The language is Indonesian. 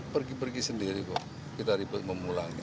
pergi pergi sendiri kok kita memulangin